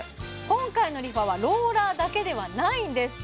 今回のＲｅＦａはローラーだけではないんです